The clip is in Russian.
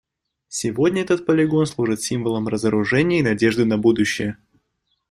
Сегодня этот полигон служит символом разоружения и надежды на будущее.